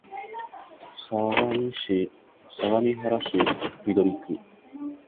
相模原市緑区